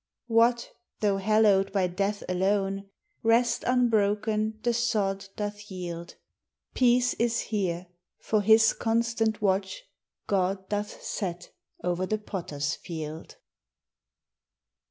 What though hallowed by Death alone, Rest unbroken the sod doth yield; Peace is here, for His constant watch God doth set o'er the Potter's Field.